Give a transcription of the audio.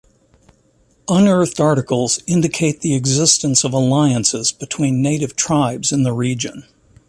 Unearthed articles indicate the existence of alliances between native tribes in the region.